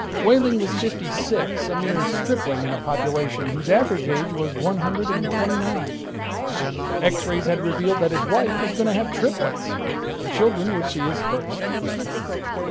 Wehling was fifty six, a mere stripling in a population whose average age was one hundred and twenty nine. X rays had revealed that his wife was going to have triplets. The children would be his first.